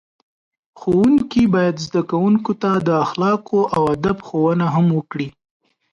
ښوونکي باید زده کوونکو ته د اخلاقو او ادب ښوونه هم وکړي.